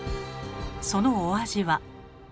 そのお味は。